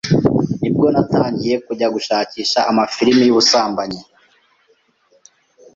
Nibwo natangiye kujya gushakisha amafilimi y’ubusambanyi,